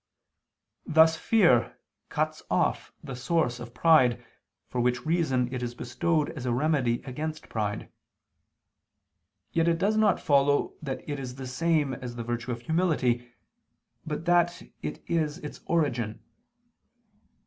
Thus fear cuts off the source of pride for which reason it is bestowed as a remedy against pride. Yet it does not follow that it is the same as the virtue of humility, but that it is its origin.